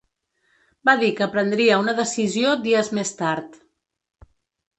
Va dir que prendria una decisió dies més tard.